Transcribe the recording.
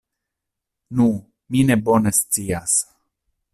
Nu, mi ne bone scias.